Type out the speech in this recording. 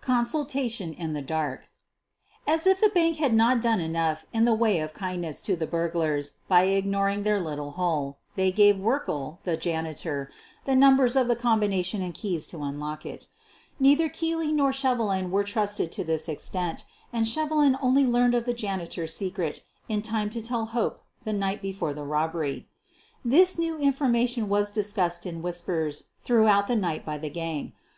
CONSULTATION IN THE DAEK As if the bank had not done enough in the way of kindness to the burglars by ignoring their little hole, they gave Werkle, the janitor, the numbers of the combination and keys to unlock it. Neither Keely nor Shevelin were trusted to this extent, and Sheve lin only learned of the janitor's secret in time to tell Hope the night before the robbery. This new information was discussed in whispers throughout the night by the gang.